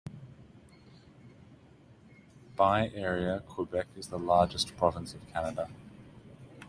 By area, Quebec is the largest province of Canada.